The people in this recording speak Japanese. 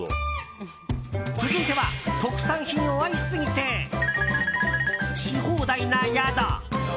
続いては、特産品を愛しすぎて○○し放題な宿。